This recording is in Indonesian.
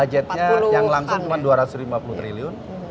budgetnya yang langsung cuma dua ratus lima puluh triliun